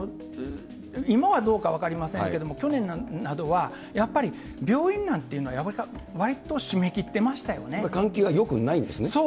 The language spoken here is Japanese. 今はどうか分かりませんけれども、去年などは、やっぱり病院なんというのは、わりと閉め切ってまし換気がよくないんですね。